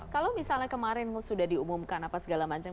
kalau misalnya kemarin sudah diumumkan apa segala macam